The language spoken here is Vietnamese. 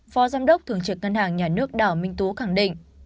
phó giám đốc thường trực ngân hàng nhà nước đảo minh tú khẳng định